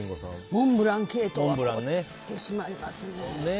モンブランケーキを買ってしまいますね。